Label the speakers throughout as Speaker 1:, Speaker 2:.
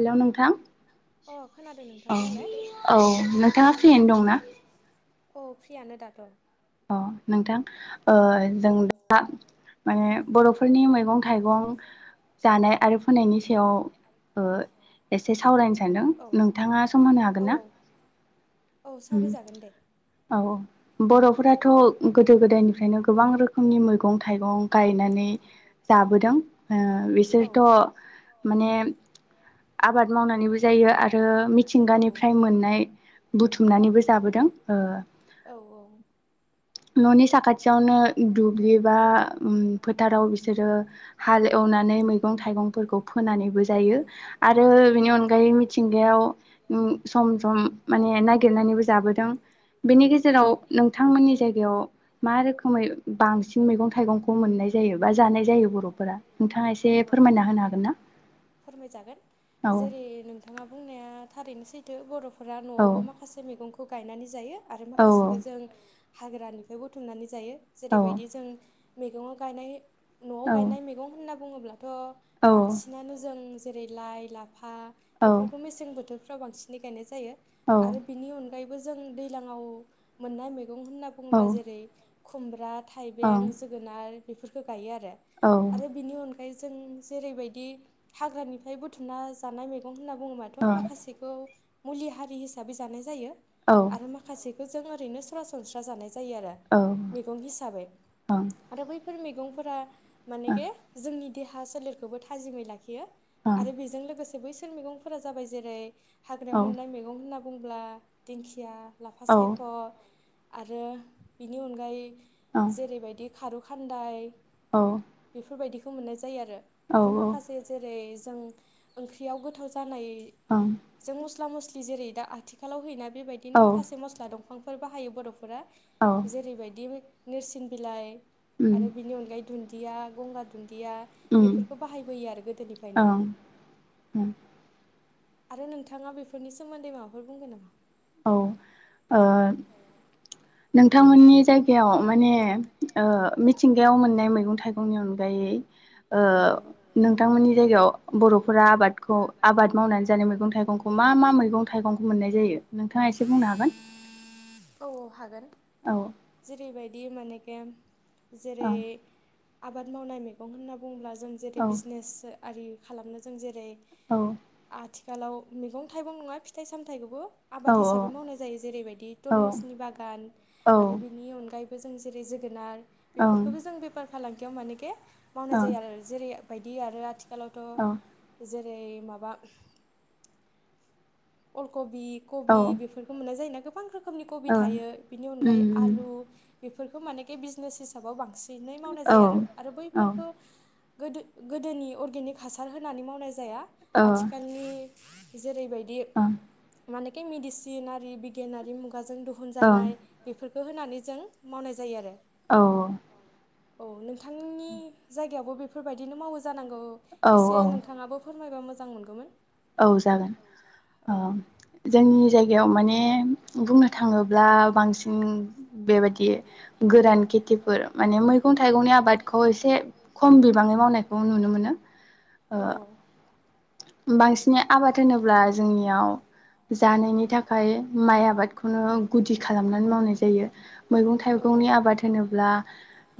Speaker 1: हेल' नोंथां औ औ नोंथाङा फ्रियैनो दंना
Speaker 2: औ फ्रियानो दाथ'
Speaker 1: ओ नोंथां ओ जों दा माने बर'फोरनि मैगं थाइगं जानाय आरो फोनायनि सायाव एसे सावरायनो सानदों नोंथाङा सम होनो हागोन ना
Speaker 2: औ सावरायजागोन दे
Speaker 1: बर' थ गोदो गोदायनिफ्रायनो गोबां रोखोमनि मैगं थाइगं गायनानै जाबोदों ओ बिसोरथ' माने मावनानैबो जायो आरो मिथिंगानिफ्राय मोननाय बुथुमनानैबो जाबोदों ओ
Speaker 2: औ औ
Speaker 1: न'नि साखाथियावनो दुब्लि बा फोथाराव बिसोरो हाल एवनानै मैगं थाइगंफोरखौ फोनानैबो जायो। आरो बेनि अनगायै मिथिंगायाव सम सम माने नागिरनानैबो जाबोदों। बेनि गेजेराव नों थांमोननि जायगायाव मा रोखोमै बांसिन मैगं थाइगंखौ मोननाय जायो बा जानाय जायो बर'फोरा नोंथाङा एसे फोरमायना होनो हागोन ना
Speaker 2: फोरमाय जागोन जेरै नोंथाङा बुंनाया थारैनो सैथो बर'फोरा न'आवबो माखासे मैगंखौ गायनानै जायो आरो माखासेखौ जों हाग्रानिफ्राय बुथुमनानै जायो जेरैबायदि जों मैगङाव गायनाय न'आव गायनाय मैगं होनना बुङोब्लाथ' बांसिनानो जों जेरै लाइ ला फा बेफोरखौ मेसें बोथोरफ्राव बांसिनै गायनाय जायो आरो बिनि अनगा गायैबो जों दैलाङाव मोननाय मैगं होनना बुङोब्ला जों जेरै खुमब्रा, थाइबें, जोगोनार बेफोरखौ गायो आरो आरो बिनि अन ओफाय जों जेरैबायदि हाग्रानिफ्राय बुथुमना जानाय मैगं होनना बुंबाथ माखासे मुलि हारि हिसाबै जानाय जायो आरो माखासे खो जों ओरैनो सरासनस्रा जानाय जायो आरो मैगं हिसाबै आरो बैफोर मै गंफोरा मानेखे जोंनि देहा सोलेरखोबो थाजिमै लाखियो आरो बेजों लोगोसे बैसोर मैगंफोरा जाबाय जेरै हाग्रायाव मोननाय मैगं होनना बुंब्ला दिंखिया, लाफासायख' आरो बेनि अनगायै जेरैबायदि खारौ खान्दाय बेफोरबायदिखौ मोननाय जा यो आरो आरो माखासे जेरै जों ओंख्रियाव गोथाव जानाय जों मस्ला मस्लि जेरै दा आथिखालाव हैयोना बेबायदिनो माखासे मासला दं फांफोर बाहायो बर'फोरा जेरैबायदि नोरसिं बिलाइ आरो बिनि अनगायै न्दिया, गंगा दुन नया बेफोरखौ बाहायबोयो आरो गोदोनिफ्रायनो आरो नोंथाङा बेफोरनि सोमोन्दै माबाफोर बुंगोन नामा?
Speaker 1: औ ओ नों नोंथांमोननि जायगायाव माने ओ मिथिंगायाव मोननाय मैगं थाइगंनि अनगायै ओ नोंथांमोननि जायगायाव बर'फोरा आबादखौ आबाद मावनानै जानाय मैगं थाइगंखौ मा मा मैगं थाइगंखौ मोननाय जायो? नोंथाङा एसे बुंनो हागोन?
Speaker 2: औ हागोन जेरैबायदि मानेखे जेरै आबाद मावनाय मैगं होनना बुंब्ला जों जेरै बिजनेस आरि खालामनो जों जेरै
Speaker 1: औ।
Speaker 2: आथिखालाव मैगं थाइगं नङा फिथाइ सामथाइखौबो आबाद हिसाबै मावनाय जायो जेरैबायदि तरमुसनि बागान आरो बेनि अनगायैबो जों जेरै जोगोनार बेफोरखौबो जों बेफार फालांगियाव मानेके मावनाय जायो आरो जेरै बायदि आरो आथिखालावथ' जेर रै माबा अलकबि, कबि बेफोरखौ मोननाय जायोना गोबां रोखोम रोखोमनि कबि थायो बिनि अनगायै आलु बेफोरखौ मानेखे बिजनेस हिसाबाव बांसिन नै मावनाय जायो आरो आरो बैफोरखौ गोदो-गोदोनि अर्गेनिक हासार होनानै मावनाय जाया आथिखालनि जेरैबायदि मानेखि मेडिसिन आरि बिगियानारि मुगाजों दिहुनजानाय बेफोर खौ होनानै जों मावनाय जायो आरो।
Speaker 1: औ।
Speaker 2: औ नोंथांनि जायगायावबो बेफोरबायदिनो मावो जानांगौ एसे नोंथाङाबो फोर मायबा मोजां मोनगौमोन।
Speaker 1: औ जागोन औ जोंनि जायगायाव माने बुंनो थाङ थाङोब्ला बांसिन बेबायदि गोरान खेथि फोर माने मैगं थाइगंनि आबादखौ एसे खम बिबाङै मावनायखौ नुनो मोनो।
Speaker 2: औ औ।
Speaker 1: बांसिनै आबाद होनोब्ला जोंनियाव जानायनि नि थाखाय माइ आबादखौनो गुदि खालामनानै मावनाय जायो। मैगं थाइगंनि आबाद होनोब्ला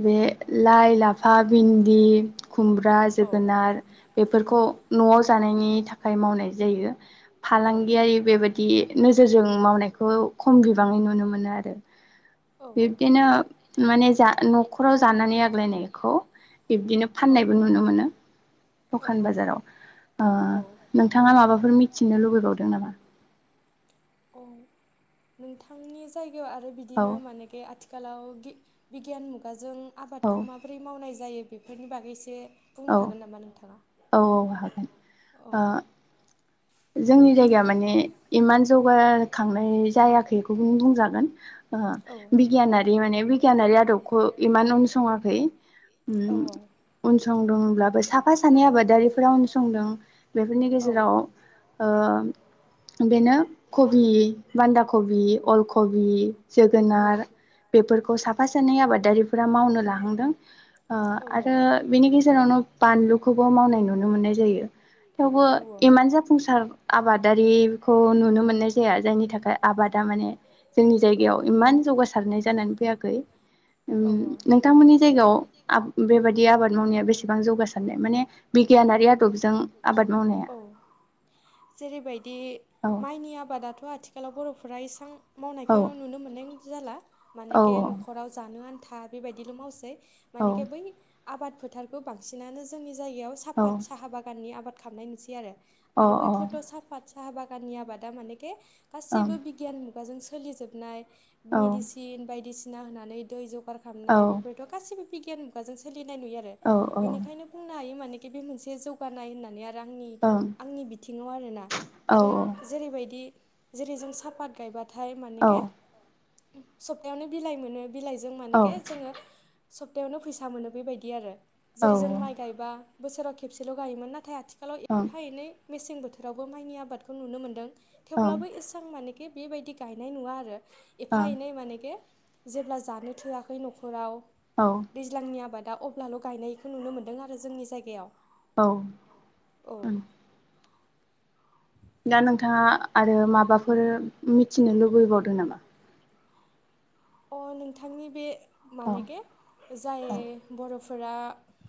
Speaker 1: बे लाइ लाफा भिन्दि खुमब्रा जोगोनार बेफोरखौ न'आव जानायनि थाखाय मावनाय जायो फालांगियारि बेबायदि नोजोरजों मावनायखौ खम बिबाङै नुनो मोनो आरो। बिब्दिनो माने जा न'खराव जानानै आग्लायनायखौ बिब्दिनो फाननायबो नुनो मोनो दखान बाजाराव। अ नोंथाङा माबाफोर मिथिनो लुबैबावदों नामा?
Speaker 2: औ नोंथांनि जायगायाव आरो बिदिनो मानेेके आथिखालाव गि बिगियान मुगाजों आबादखौ माबोरै मावनाय जायो बेफोरनि बागै एसे बुंनो हागोन नामा नोंथाङा औ।
Speaker 1: जोंनि जायगाया माने इमान जौगा खांनाय जायाखैखौनो बुंजागोन अ बिगियानारि माने बिगियानारि आदबखौ इमान उनसङाखै उम। उनसंदोंब्लाबो साफा सानै आबादारिफोरा उनसंदों बेफोरनि गेजेराव अ बेनो कबि बान्दा कबि अल क कबि जोगोनार बेफोरखौ साफा सानै आबादारिफोरा मावनो लाहांदों अ आरो बेनि गेजेरावनो बानलुखौबो मावनाय नुनो मोननाय जायो थेवबो इमान संसार आबादारिखौ नुनो मोननाय जाया जायनि थाखाय आबादा माने जोंनि जायगायाव इमान जौगासारनाय जानानै फैयाखै। ओम नोंथांमोननि जायगायाव आब बेबायदि आबाद मावनाया बेसेबां जौगासारनाय माने बे बिगियानारि आदबजों आबाद मावनाया?
Speaker 2: जेरैबायदि माइनि आबादाथ' आथिखालाव बर'फोरा इसां मावनायखौ नुनो मोननाय जाला मानके न'खराव जानो आन्था बेबायदिल' मावसै। मानेके बै आबाद फोथारखौ बांसिनानो जोंनि जायगायाव साफात साहा बागाननि आबाद खामनाय नोसै आरो बैफोरथ' सात साहा बागाननि आबादा माने के गाससिबो बिगियान मुगाजों सोलि जोबनाय मेदिसिन बायदिसि सिना होनानै दै जगार खालामनाय बेफोरथ' गासिबो बिगियान मुगाजों सोलि नाय नुयो आरो बेनिखायनो बुंनो हायो मानेके बे मोनसे जौगानाय होननानै आरो। आरो आंनि आंनि बिथिङाव आरोना आरो जेरैबायदि जेरै जों सापात गायबाथाय मानेके सप्तायावनो बिलाइ मोनो। बिलाइजों मानेके जोङो सप्थायायावनो फैसा मोनो बेबायदि आरो। जेरै जों माइ गायबा बोसोराव खेबसेल' गायोमोन नाथाय आथिखालाव एफा एनै मेसें बोथोरावबो माइनि आबादखौ नुनो मोन्दों थेवब्लाबो एसेबां मानेकि बेबायदि गायनाय नुवा आरो। एफा एनै मानेके जेब्ला जानो थोआखै न'खराव दैज्लांनि आबादा अब्लाल' गायनायखौ नुनो मोनदों आरो जोंनि जायगायाव।
Speaker 1: औ दा नोंथाङा आरो माबाफोर मिथिनो लुबैबावदो नामा?
Speaker 2: अ नोंथांनि बे मानेके जाय बर'फोरा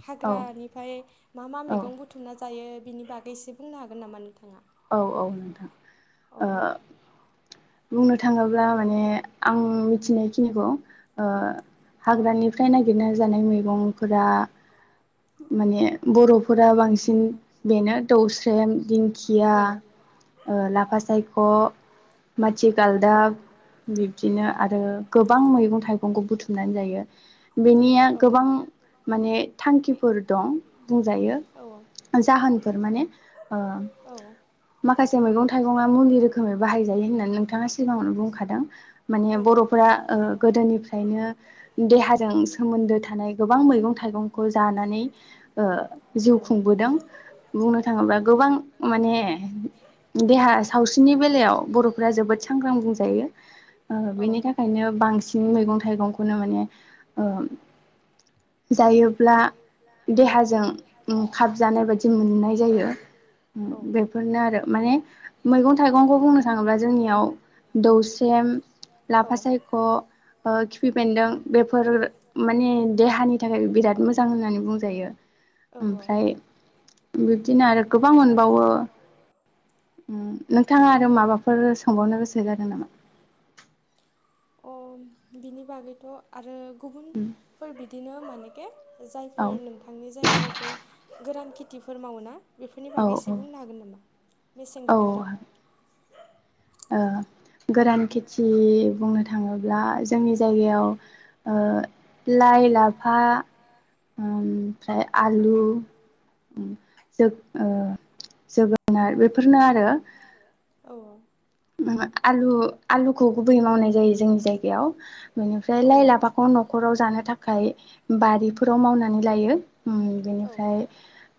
Speaker 2: हाग्रानिफ्राय मा मा मैगं बुथुमना जायो बिनि बागैसो बुंनो हागोन नामा नोंथाङा?
Speaker 1: औ औ नोंथां अ बुंनो थाङोब्ला माने आं मिथिनायखिनिखौ अ हाग्रानिफ्राय नागिरना जानाय मैगंफोरा माने बर'फोरा बांसिन बेनो दौस्रेन दि खिया ओ लाफा सायख' माजि गालदाब बिबदि बिदिनो आरो गोबां मैगं थाइगंखौ बुथुमनानै जायो। बेनिया गोबां माने थांखिफोर दं। बुंजायो जाहोनफोर माने ओ माखासे मैगं थाइगङा मुलि रोखोमै बाहायजायो होनना। नोंथाङा सिगाङावनो बुंखादों माने बर'फोरा। गोदोनिफ्रायनो देहाजों सोमोन्दो थानाय गोबां मैगं थाइगंखौ जानानै ओ जिउ खुंबोदों बुंनो थाङोब्ला गोबां माने। देहा सावस्रिनि बेलायाव बर' फ्रा जोबोद सांग्रां बुंजायो बेनि थाखायनो बांसिन मैगं थाइगंखौनो माने ओ जायोब्ला देहाजों उम खाब जानाय बायदि मोननाय जायो। बेफोरनो आरो माने मैगं थाइगंखौ बुंनोै जोंनियाव दौसेम लाफा सायख' ओ खि फिबेन्दों बेफोर माने देहानि थाखाय बिराद मोजां होननानै बुंजायो। ओमफ्राय बिबदिनो आरो गोबां मोनबावो उम नोंथाङा आरो माबा फोर सोंबावनो गोसो जादों नामा?
Speaker 2: ओ बिनि बागैथ' आरो गुबुनफोर बिदिनो मानेके जायफोर नोंथांनि जायगायाव बै गोरान खेतिफोर मावोना। बेफोरनि बागै एसे बुंनो हागोन नामा मेसें बोथोराव
Speaker 1: ओ गोरान खेथि बुंनो थाङोब्ला जोंनि जायगायाव ओ लाइ लाफा ओमफ्राय आलु। जोग ओ जोगोनार बेफोरनो आरो।
Speaker 2: औ
Speaker 1: आलु आलुखौ गुबैयै मावनाय जायो जोंनि। जायगायाव बेनिफ्राय लाइ लाफाखौ न'खराव जानो थाखाय बारिफोराव मावनानै लायो। उम बेनिफ्राय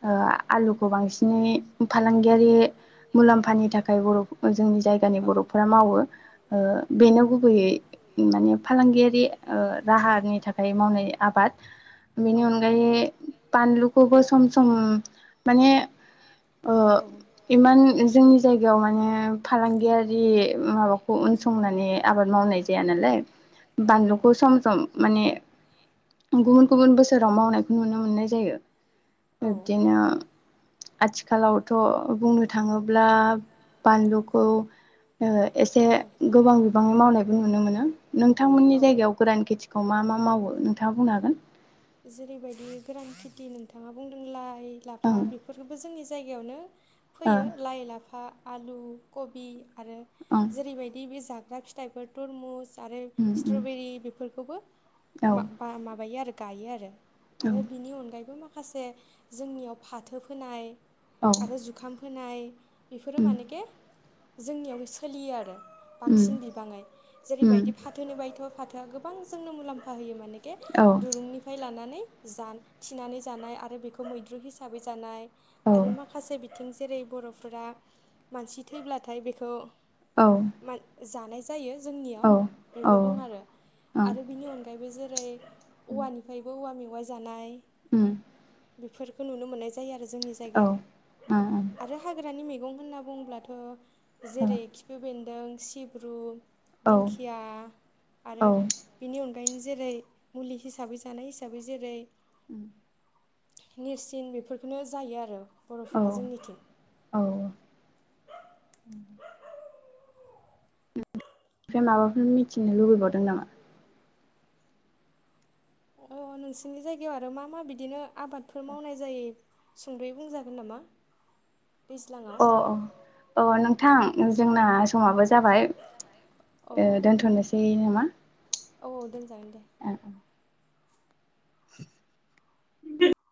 Speaker 1: ओ आलुखौ बांसिनै फालांगि आरि मुलाम्फानि थाखाय बर' जोंनि जाय नि बर'फोरा मावो ओ बेनो गुबैयै माने फालांगियारि ओ राहा नि थाखाय मावनाय आबाद। बेनि अनगायै बानलुखौबो सम सम माने
Speaker 2: औ
Speaker 1: इमान जोंनि जायगायाव माने फालां गिआरि माबाखौ उनसंनानै आबाद मावनाय जाया नालाय बानलुखौ सम सम माने गुबुन गुबुन बोसोराव मावनायखौ नुनो मोननाय जायो बिब्दिनो आथिखालावथ' बुंनो थाङोब्ला बानलुखौ ओ एसे गोबां बिबाङै मावनायबो नुनो मोनो नोंथांमोननि जायगायाव गोरान खेथिखौ मा मा मावो नोंथाङा बुंनो हागोन?
Speaker 2: जेरैबायदि गोरान खेथि नोंथाङा बुंदों लाइ लाफा बेफोरखौबो जो जोंनि जायगायावनो फोयो लाइ, लाफा, आलु, कबि आरो जेरैबायदि बे जाग्रा फिथाइफोर तरमुस आरो स्ट्रबेरि बेफोर खोबो मा-बा-माबायो आरो गायो आरो आरो बिनि अनगायैबो मा खासे जोंनियाव फाथो फोनाय आरो जुखाम फोनाय बेफोरो मानेके जोंनियावबो सोलियो आरो। बांसिन बिबाङै जेरैबायदि फाथोनि फायथ' फाथोआ गोबां जोंनो मुलाम्फा होयो मानेके दुरुंनिफ्राय लानानै जान थिनानै जानाय आरो बेखौ मैद्रु हिसाबै जानाय आरो माखासे बिथिं जेरै बर'फोरा मानसि थैब्लाथाय बेखौ मा जानाय जायो। जोंनियाव बेबो दं आरो आरो बिनि अनगायैबो जेरै औवानिफ्रायबो औवा मेवाइ जानाय बेफोरफोरखौ नुनो मोननाय जायो आरो जो जोंनि जायगायाव आरो हाग्रानि मैगं होनना बुंङोब्लाथ' जेरै खिफि बेन्दों सिब्रु दिंखिया आरो बेनि अनगायै जेरै मुलि हिसाबै जानाय हिसाबै जेरै नेरसिन बेफोरखौनो जायो आरो बर'फोरा जोंनिथिं।
Speaker 1: ओफ्राय माबाफोर मिथिनो लुबैबावदों नामा?
Speaker 2: अ नोंसोरनि जायगायाव आरो मा मा बिदिनो आबादफोर मावनाय जायो सुंद'यै बुंजागोन नामा दैज्लाङा?
Speaker 1: औ नोंथां जोंना समाबो जाबाय। ओ दोनथ'नोसै नामा? [unintelligible]